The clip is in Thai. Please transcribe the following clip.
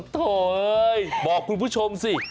โถยบอกคุณผู้ชมสิ